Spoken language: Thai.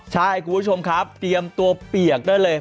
ใช่คุณผู้ชมครับเตรียมตัวเปียกได้เลย